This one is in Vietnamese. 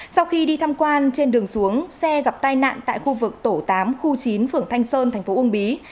sau khi đi thăm quan trên đường xuống xe gặp tai nạn tại khu vực tổ tám khu chín phường thanh sơn tp ung bí